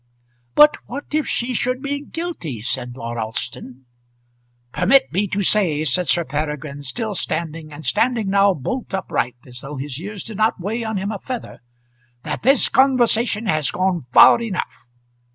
"But what if she should be guilty?" said Lord Alston. "Permit me to say," said Sir Peregrine, still standing, and standing now bolt upright, as though his years did not weigh on him a feather, "that this conversation has gone far enough.